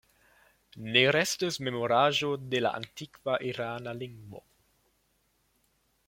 Ne restis memoraĵo de la antikva irana lingvo.